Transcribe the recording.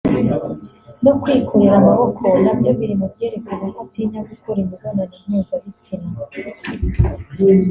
no kwikorera amaboko nabyo biri mubyerekana ko atinya gukora imibonano mpuzabitsina